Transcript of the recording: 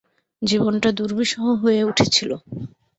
জীবনটা দুর্বিষহ হয়ে উঠেছিলো!